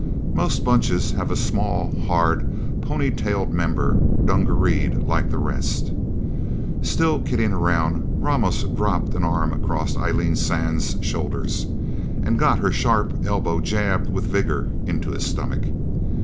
Most Bunches have a small, hard, ponytailed member, dungareed like the rest. Still kidding around, Ramos dropped an arm across Eileen Sands' shoulders, and got her sharp elbow jabbed with vigor into his stomach.